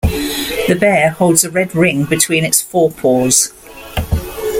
The bear holds a red ring between its forepaws.